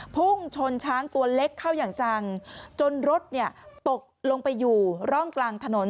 พุ่งชนช้างตัวเล็กเข้าอย่างจังจนรถเนี่ยตกลงไปอยู่ร่องกลางถนน